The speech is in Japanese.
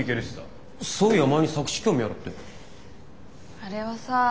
あれはさ